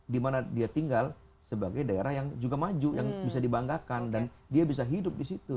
dimana dia tinggal sebagai daerah yang juga maju yang bisa dibanggakan dan dia bisa hidup di situ